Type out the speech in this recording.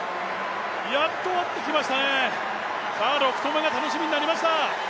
やっと合ってきましたね、６投目が楽しみになってきました。